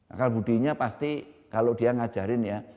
akal budinya pasti kalau dia ngajarin ya